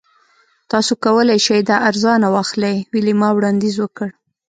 تاسو کولی شئ دا ارزانه واخلئ ویلما وړاندیز وکړ